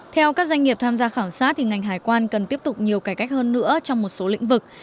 theo các doanh nghiệp tham gia khảo sát ngành hải quan cần tiếp tục nhiều cải cách hơn nữa trong một số lĩnh vực